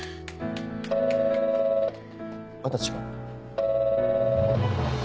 私が。